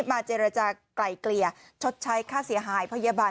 เจรจากลายเกลี่ยชดใช้ค่าเสียหายพยาบาล